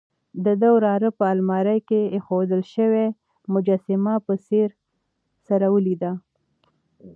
د ده وراره په المارۍ کې اېښودل شوې مجسمه په ځیر سره ولیده.